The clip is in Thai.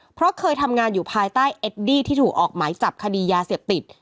เพราะเคยทำงานอยู่ภายใต้เอดดี้ที่ถูกออกหมายจับคดียาเสพติด